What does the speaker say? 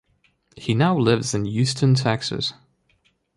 He now lives in Houston, Texas.